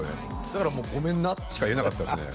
だからもうごめんなしか言えなかったですね